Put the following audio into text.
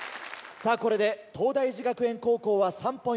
さぁこれで東大寺学園高校は３ポイント。